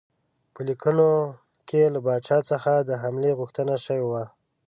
په لیکونو کې له پاچا څخه د حملې غوښتنه شوې وه.